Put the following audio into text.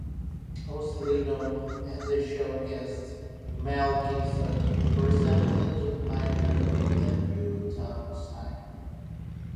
Host Leno and show guest Mel Gibson presented Minnier with a new town sign.